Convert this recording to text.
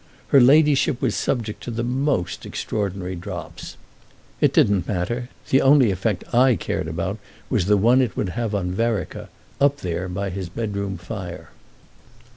Her ladyship was subject to the most extraordinary drops. It didn't matter; the only effect I cared about was the one it would have on Vereker up there by his bedroom fire.